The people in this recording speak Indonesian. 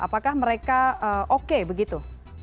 apakah mereka oke begitu